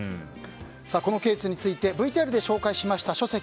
このケースについてＶＴＲで紹介した書籍